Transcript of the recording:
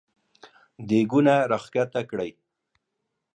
دېګونه راکښته کړی !